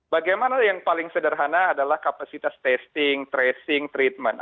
bagaimana yang paling sederhana adalah kapasitas testing tracing treatment